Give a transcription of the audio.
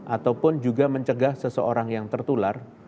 ataupun juga mencegah seseorang yang tertular